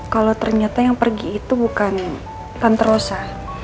kalau ternyata yang pergi itu bukan tante rosa